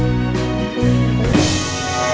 เหมือนก้อนหินที่สานทน